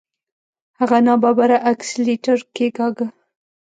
هغه ناببره اکسلېټر کېکاږه.